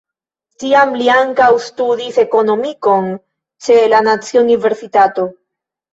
Tiam li ankaŭ studis Ekonomikon ĉe la Nacia Universitato.